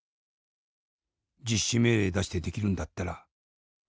実施命令出してできるんだったらやってみろと。